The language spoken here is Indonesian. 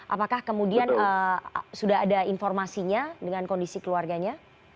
apakah kemudian sudah ada informasinya dengan kondisi keluarganya